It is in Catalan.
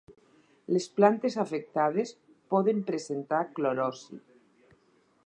Les plantes afectades poden presentar clorosi.